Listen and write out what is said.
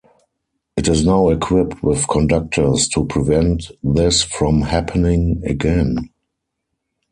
It is now equipped with conductors to prevent this from happening again.